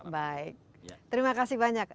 baik terima kasih banyak